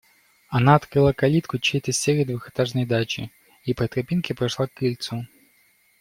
Она открыла калитку чьей-то серой двухэтажной дачи и по тропинке прошла к крыльцу.